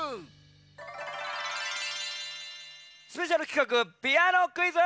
スペシャルきかくピアノクイズ！